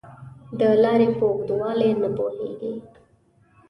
دا لارې په اوږدوالي نه پوهېږي .